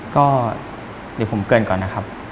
ก็เดี๋ยวผมเกินก่อนนะครับ